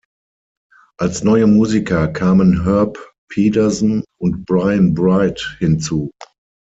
Als neue Musiker kamen Herb Pedersen und Bryn Bright hinzu.